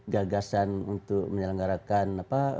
gagasan untuk menyelenggarakan